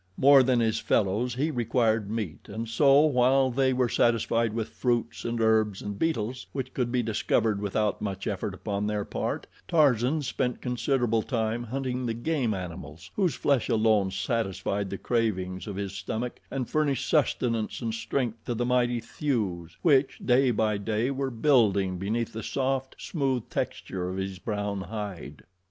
More than his fellows he required meat, and so, while they were satisfied with fruits and herbs and beetles, which could be discovered without much effort upon their part, Tarzan spent considerable time hunting the game animals whose flesh alone satisfied the cravings of his stomach and furnished sustenance and strength to the mighty thews which, day by day, were building beneath the soft, smooth texture of his brown hide.